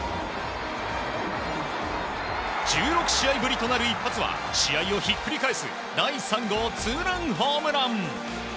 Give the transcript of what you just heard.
１６試合ぶりとなる一発は試合をひっくり返す第３号ツーランホームラン！